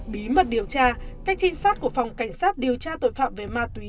bí mật điều tra các trinh sát của phòng cảnh sát điều tra tội phạm về ma túy